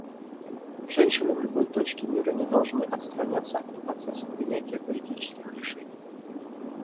Женщины в любой точке мира не должны отстраняться от процесса принятия политических решений.